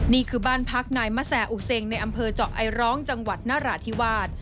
นี่คือบ้านพักนายมะแซ่อุเซงในอำเภอเจาะไอร้องจังหวัดนราธิวาส